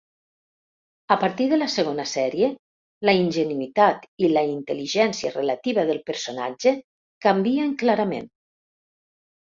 A partir de la segona sèrie, la ingenuïtat i la intel·ligència relativa del personatge canvien clarament.